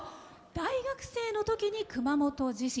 大学生のときに熊本地震。